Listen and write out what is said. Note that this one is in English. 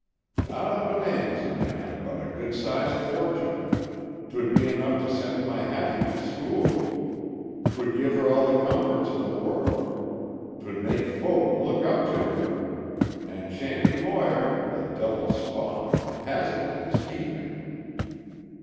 "Not a bonanza, man, but a good sized fortune. 'Twould be enough to send my Hattie to school. 'Twould give her all the comforts of the world. 'Twould make folk look up to her. And Shanty Moir, the devil's spawn, has it in his keeping."